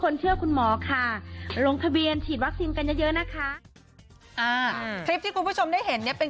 แล้วก็เขียนข้อความเอง